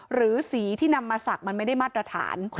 หรือสีที่นำมาสักมันไม่ได้มาตรฐาน